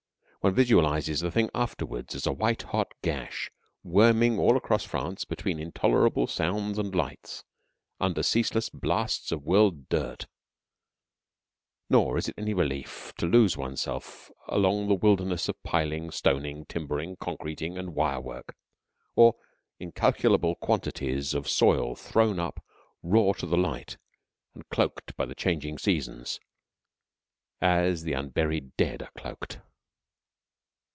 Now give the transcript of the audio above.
One visualizes the thing afterwards as a white hot gash, worming all across France between intolerable sounds and lights, under ceaseless blasts of whirled dirt. Nor is it any relief to lose oneself among wildernesses of piling, stoning, timbering, concreting, and wire work, or incalculable quantities of soil thrown up raw to the light and cloaked by the changing seasons as the unburied dead are cloaked.